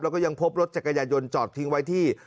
แล้วก็ยังพบรถจักรยายนจอดทิ้งไว้ที่